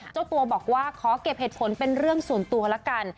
เจ้าตัวบอกว่าขอเก็บเหตุผลเป็นเรื่องส่วนตัวละกัน